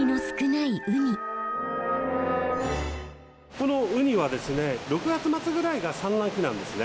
このウニはですね６月末ぐらいが産卵期なんですね。